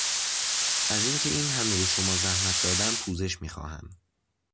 از اینکه این همه به شما زحمت دادم پوزش میخواهم.